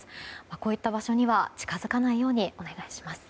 こういった場所には近づかないようにお願いします。